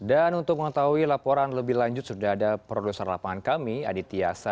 saya ingin mengetahui laporan lebih lanjut sudah ada produser lapangan kami adit yasa